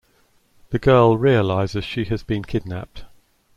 The girl realises she has been kidnapped.